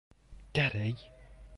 Daddy!